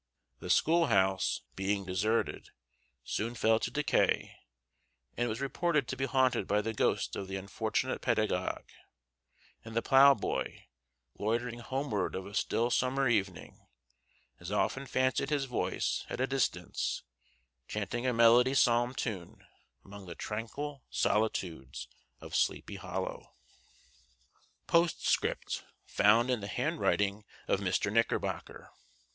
The schoolhouse, being deserted, soon fell to decay, and was reported to be haunted by the ghost of the unfortunate pedagogue; and the plough boy, loitering homeward of a still summer evening, has often fancied his voice at a distance chanting a melancholy psalm tune among the tranquil solitudes of Sleepy Hollow. POSTSCRIPT FOUND IN THE HANDWRITING OF MR. KNICKERBOCKER.